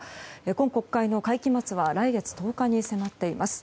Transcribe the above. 今国会の会期末は来月１０日に迫っています。